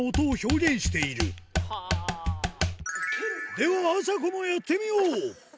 ではあさこもやってみよう！